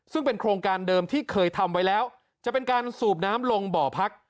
ซึ่งเป็นโครงการเดิมที่เคยทำไว้แล้วจะเป็นการสูบน้ำลงบ่อพัก